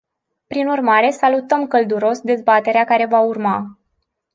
Prin urmare, salutăm călduros dezbaterea care va urma.